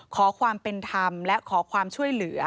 ขอความเป็นธรรมและขอความช่วยเหลือ